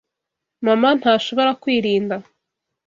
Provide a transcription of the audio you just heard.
Mama ntashobora kwirinda.